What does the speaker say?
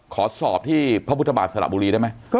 ขอสอบที่พระพุทธบาทสระบุรีได้ไหม